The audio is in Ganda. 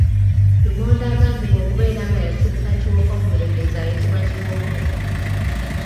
Lumonde agambibwa okubeera nga yasibuka Kiwoko mu Bulemeezi ayitibwa Kiwoko.